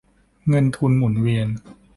เงินทุนหมุนเวียน